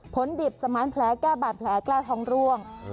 ดิบสมานแผลแก้บาดแผลกล้าท้องร่วง